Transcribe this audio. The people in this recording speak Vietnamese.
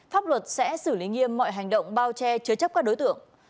pháp luật sẽ xử lý nghiêm mọi hành động bao che chứa chấp các đối tượng